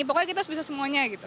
pokoknya kita harus bisa semuanya gitu